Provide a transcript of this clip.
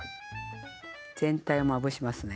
全体をまぶしますね。